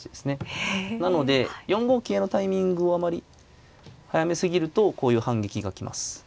なので４五桂のタイミングをあまり早めすぎるとこういう反撃が来ます。